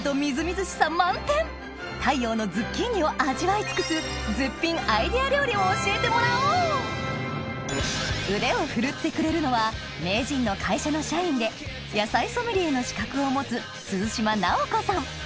太陽のズッキーニを味わい尽くす絶品アイデア料理を教えてもらおう腕を振るってくれるのは名人の会社の社員で野菜ソムリエの資格を持つ鈴島尚子さん